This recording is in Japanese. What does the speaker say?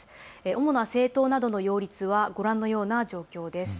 主な正当などの擁立はご覧のような状況です。